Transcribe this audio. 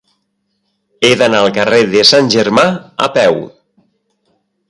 He d'anar al carrer de Sant Germà a peu.